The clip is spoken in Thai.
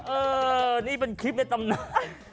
เออนี่เป็นคลิปในตำนาน